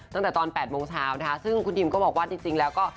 ตั้งแต่ตอน๘โมงเช้านะคะซึ่งคุณทิมก็บอกว่าจริงแล้วก็